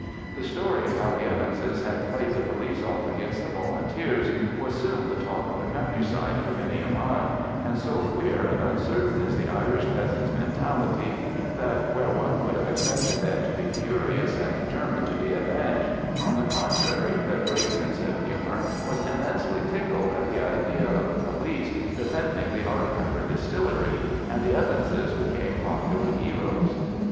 The story of how the Evanses had played the police off against the Volunteers was soon the talk of the countryside for many a mile, and so queer and uncertain is the Irish peasant's mentality that, where one would have expected them to be furious and determined to be avenged, on the contrary their great sense of humour was immensely tickled at the idea of the police defending the Ardcumber distillery, and the Evanses became popular heroes.